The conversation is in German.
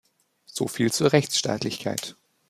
So viel zur Rechtsstaatlichkeit!